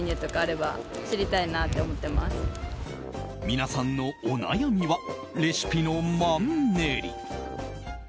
皆さんのお悩みはレシピのマンネリ。